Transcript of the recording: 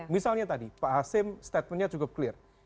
misalnya tadi pak hasim statementnya cukup clear